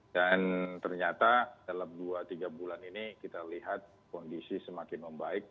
dan ternyata dalam dua tiga bulan ini kita lihat kondisi semakin membaik